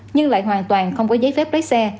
nhưng lại hoàn toàn không có giấy phép lái xe